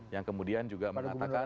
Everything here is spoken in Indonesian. yang kemudian juga mengatakan